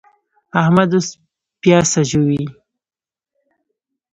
احمد اوس پياڅه ژووي.